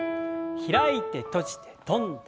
開いて閉じて跳んで。